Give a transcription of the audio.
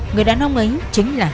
người đàn ông ấy chính là